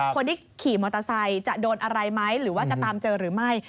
คนที่ขี่มอเตอร์ไซค์จะโดนอะไรไหมหรือว่าจะตามเจอหรือไม่